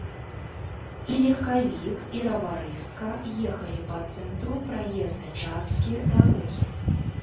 І легкавік, і раварыстка ехалі па цэнтру праезнай часткі дарогі.